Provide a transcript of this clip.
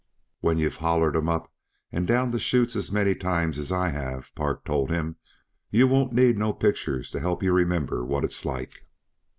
"When you've hollered 'em up and down the chutes as many times as I have," Park told him, "yuh won't need no pictures to help yuh remember what it's like."